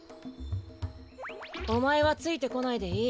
おまえはついてこないでいい。